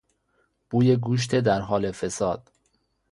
بوی گوشت در حال فساد